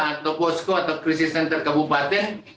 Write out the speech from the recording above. atau posko atau krisis center kabupaten